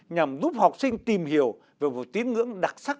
nhằm giúp học sinh tìm hiểu về một tiếng ngưỡng đặc sắc